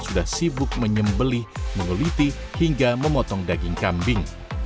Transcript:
sudah sibuk menyembelih menguliti hingga memotong daging kambing